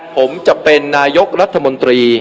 ผมจะเป็นนายกรัฐมนตรี